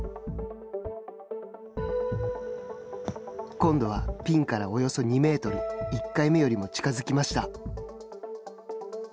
今度はピンからおよそ２メートル１回目よりも近づきました。